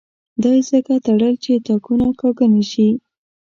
دا یې ځکه تړل چې تاکونه کاږه نه شي.